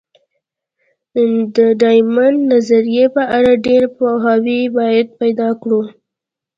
د ډایمونډ نظریې په اړه ډېر پوهاوی باید پیدا کړو.